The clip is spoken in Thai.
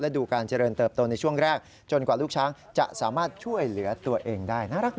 ดูการเจริญเติบโตในช่วงแรกจนกว่าลูกช้างจะสามารถช่วยเหลือตัวเองได้น่ารักนะ